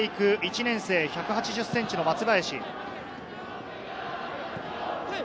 年生、１８０ｃｍの松林。